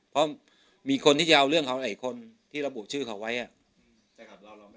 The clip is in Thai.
เพราะมีคนที่จะเอาเรื่องเขาหลายคนที่ระบุชื่อเขาไว้นะครับ